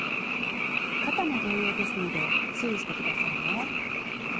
肩も同様ですので注意して下さいね。